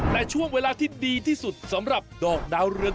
แต่ช่วงเวลาที่ดีที่สุดสำหรับดอกดาวเรือง